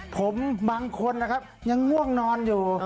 ผมบางคนนะครับยังง่วงนอนอยู่